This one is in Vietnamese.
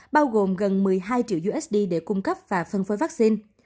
bao gồm gần một mươi hai triệu usd để cung cấp và phân phối vaccine